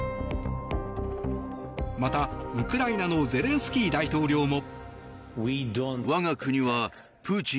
また、ウクライナのゼレンスキー大統領も。